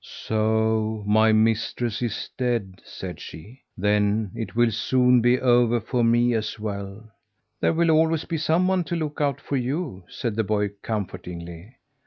"So my mistress is dead," said she. "Then it will soon be over for me as well." "There will always be someone to look out for you," said the boy comfortingly.